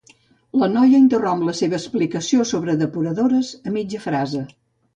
La noia interromp la seva explicació sobre depuradores a mitja frase.